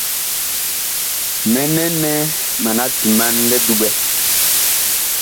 Mɛnɛ nɛ mana timan li duɓɛ.